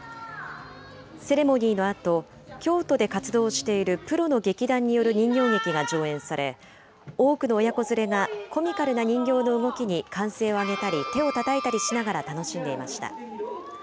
セレモニーのあと、京都で活動しているプロの劇団による人形劇が上演され、多くの親子連れがコミカルな人形の動きに、歓声を上げたり手をたたいたりしながら楽しんでいました。